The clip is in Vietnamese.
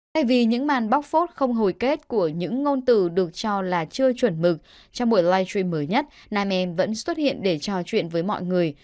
thay vì những màn bóc phốt không hồi kết của những ngôn từ được cho là chưa chuẩn mực trong buổi live stream mới nhất nam em vẫn xuất hiện để trò chuyện với mọi người